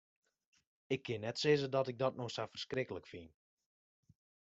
Ik kin net sizze dat ik dat no sa ferskriklik fyn.